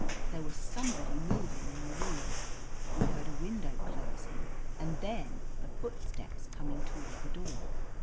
There was somebody moving in the room. We heard a window closing, and then the footsteps coming toward the door.